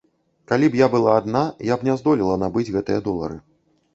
Калі б я была адна, я б не здолела набыць гэтыя долары.